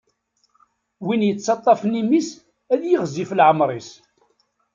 Win yettaṭṭafen imi-s, ad yiɣzif leɛmeṛ-is.